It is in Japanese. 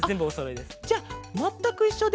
じゃあまったくいっしょで。